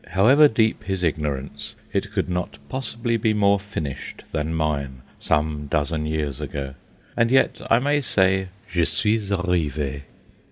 However deep his ignorance, it could not possibly be more finished than mine some dozen years ago; and yet I may say, Je suis arrivé!